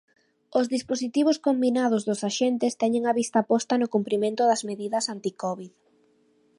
Os dispositivos combinados dos axentes teñen a vista posta no cumprimento das medidas anticovid.